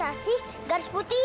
sebentar ya nek